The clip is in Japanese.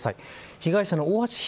被害者の大橋弘